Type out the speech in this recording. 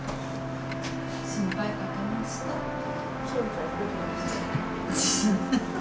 心配かけましたって。